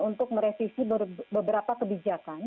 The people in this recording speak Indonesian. untuk merevisi beberapa kebijakan